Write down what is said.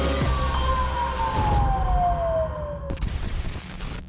มันกลายเป็นแบบที่สุดแต่กลายเป็นแบบที่สุด